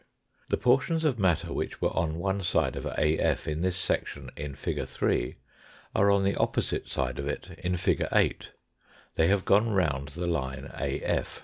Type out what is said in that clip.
The portions of matter which were on one side of AF in this section in fig. 3 are on the opposite side of it in fig. 8. They have gone round the line AF.